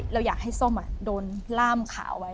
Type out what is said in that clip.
เราอยากให้ส้มโดนล่ามขาไว้